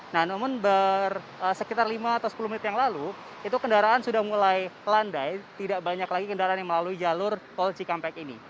nah namun sekitar lima atau sepuluh menit yang lalu itu kendaraan sudah mulai landai tidak banyak lagi kendaraan yang melalui jalur tol cikampek ini